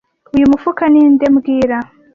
Uyu mufuka ni nde mbwira